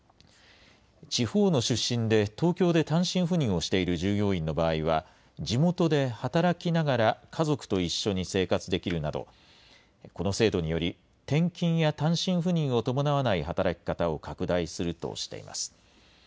地方の出身で、東京で単身赴任をしている従業員の場合は、地元で働きながら家族と一緒に生活できるなど、この制度により、転勤や単身赴任を伴わない働き方を拡大するとしています。